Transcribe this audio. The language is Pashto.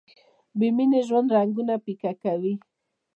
بې مینې ژوند رنګونه پیکه کوي.